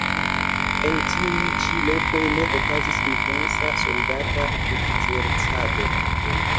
En tiuj ĉi lokoj ne okazis intensa soldata ekzercado.